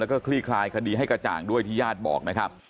แล้วก็คลี่คลายคดีให้กระจ่างด้วยที่ญาติบอกนะครับ